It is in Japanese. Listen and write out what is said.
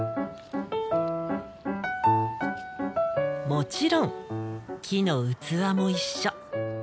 もちろん木の器も一緒。